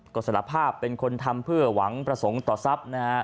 ก็สารภาพเป็นคนทำเพื่อหวังประสงค์ต่อทรัพย์นะฮะ